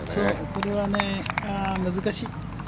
これは難しい。